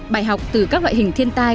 bài học từ các loại hình thiên tai